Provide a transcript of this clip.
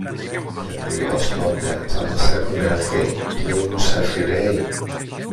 Γιατί, ως τότε, θα μας έχουν έλθει και οι μουσαφιρέοι